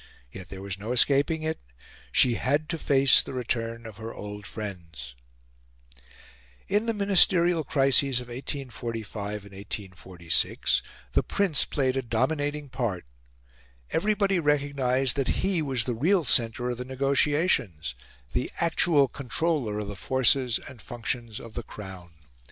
Yet there was no escaping it; she had to face the return of her old friends. In the ministerial crises of 1845 and 1846, the Prince played a dominating part. Everybody recognised that he was the real centre of the negotiations the actual controller of the forces and the functions of the Crown.